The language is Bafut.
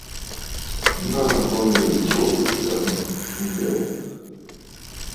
Màa bə nlwèn bǔ kɨ təŋ ɨkɛʼɛ?